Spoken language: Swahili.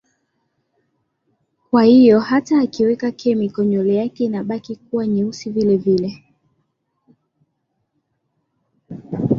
kwa hiyo hata akiweka chemical nywele yake inabaki kuwa nyeusi vile vile